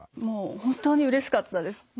もう本当にうれしかったです。